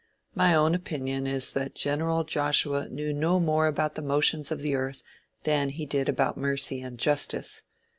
My own opinion is that General Joshua knew no more about the motions of the earth than he did about mercy and justice.